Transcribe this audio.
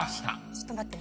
ちょっと待って。